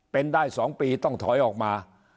เป็นได้๒ปีต้องถอยออกมา